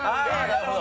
なるほど。